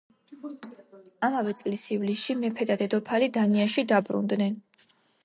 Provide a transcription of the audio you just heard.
ამავე წლის ივლისში მეფე და დედოფალი დანიაში დაბრუნდნენ.